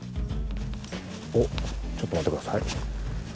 おっちょっと待ってください。